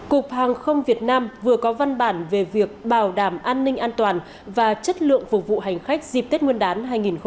cục hàng không việt nam vừa có văn bản về việc bảo đảm an ninh an toàn và chất lượng phục vụ hành khách dịp tết nguyên đán hai nghìn hai mươi